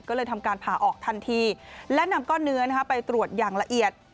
ก็เลยทำการผ่าออกทันทีและนำก้อนเนื้อไปตรวจอย่างละเอียด